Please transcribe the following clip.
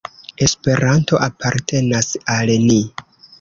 Esperanto apartenas al ni.